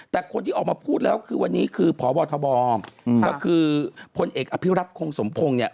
แต่คนที่ออกมาพูดแล้วคือวันนี้คือพบทบก็คือพลเอกอภิรัตคงสมพงศ์เนี่ย